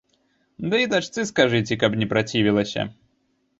Ды і дачцы скажыце, каб не працівілася.